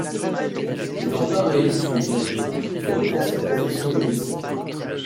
N'étant pas réélu sous le Directoire, il reprend sa profession de médecin.